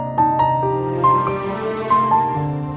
aku gak bisa tidur semalaman